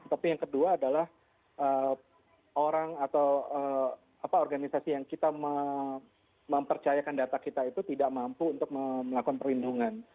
tapi yang kedua adalah orang atau organisasi yang kita mempercayakan data kita itu tidak mampu untuk melakukan perlindungan